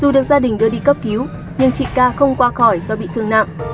dù được gia đình đưa đi cấp cứu nhưng chị ca không qua khỏi do bị thương nặng